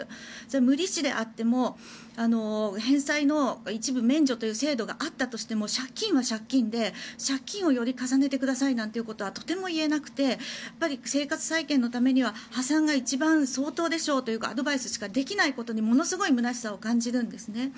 無利子であっても返済の一部免除という制度があったとしても借金は借金で借金をより重ねてくださいなんていうことはとても言えなくてやっぱり生活再建のためには破産が一番相当でしょうというアドバイスしかできないことにものすごいむなしさを感じるんですね。